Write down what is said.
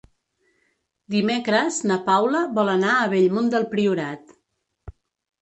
Dimecres na Paula vol anar a Bellmunt del Priorat.